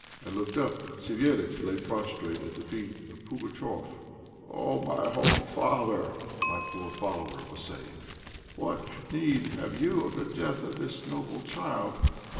I looked up. Savéliitch lay prostrate at the feet of Pugatchéf. "Oh! my own father!" my poor follower was saying. "What need have you of the death of this noble child?